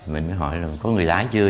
mình mới hỏi là có người lái chưa